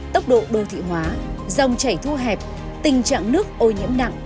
tốc độ đô thị hóa dòng chảy thu hẹp tình trạng nước ô nhiễm nặng